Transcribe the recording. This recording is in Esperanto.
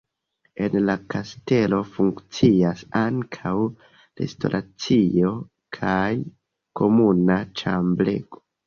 En la kastelo funkcias ankaŭ restoracio kaj komuna ĉambrego.